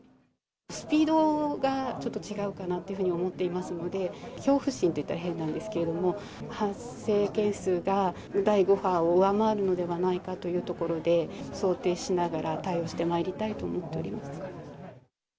スピードがちょっと違うかなっていうふうに思っていますので、恐怖心といったら変なんですけど、発生件数が、第５波を上回るのではないかというところで、想定しながら対応してまいりたいと思っております。